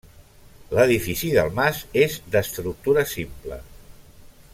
L'edifici del mas és d'estructura simple.